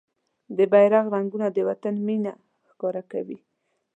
د بېرغ رنګونه د وطن مينه ښکاره کوي.